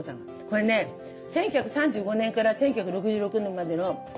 これね１９３５年から１９６６年までの日記ね。